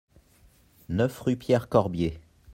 neuf rue Pierre Corbier